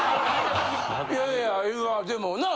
いやいやでもな？